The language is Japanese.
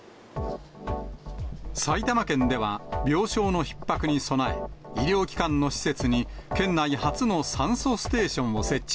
埼玉県では、病床のひっ迫に備え、医療機関の施設に県内初の酸素ステーションを設置。